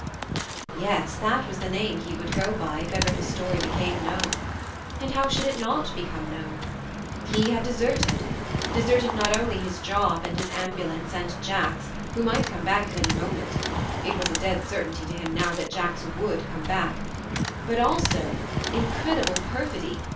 Yes: that was the name he would go by if ever his story became known. And how should it not become known ? He had deserted deserted not only 126 THE MARNE his job, and his ambulance, and Jacks, who might come back at any moment it was a dead certainty to him now that Jacks would come back but also (incredible perfidy